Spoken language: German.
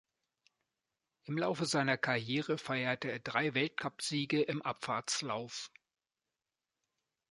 Im Laufe seiner Karriere feierte er drei Weltcupsiege im Abfahrtslauf.